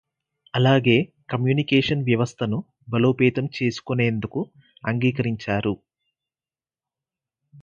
అలాగే కమ్యూనికేషన్ వ్యవస్థను బలోపేతం చేసుకొనేందుకు అంగీకరించారు.